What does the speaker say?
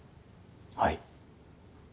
はい。